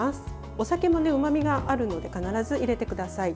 お酒もうまみがあるので必ず入れてください。